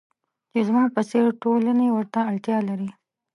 چې زموږ په څېر ټولنې ورته اړتیا لري.